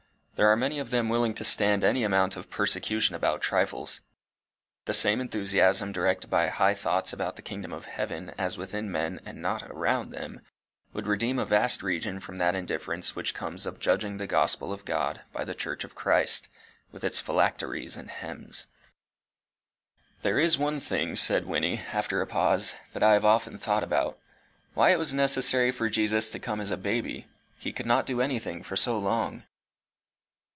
There are many of them willing to stand any amount of persecution about trifles: the same enthusiasm directed by high thoughts about the kingdom of heaven as within men and not around them, would redeem a vast region from that indifference which comes of judging the gospel of God by the church of Christ with its phylacteries and hems." "There is one thing," said Wynnie, after a pause, "that I have often thought about why it was necessary for Jesus to come as a baby: he could not do anything for so long."